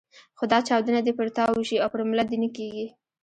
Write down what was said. خو دا چاودنه دې پر تا وشي او پر ملت دې نه کېږي.